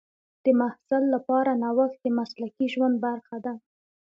د محصل لپاره نوښت د مسلکي ژوند برخه ده.